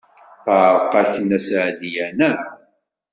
Teɛreq-ak Nna Seɛdiya, naɣ?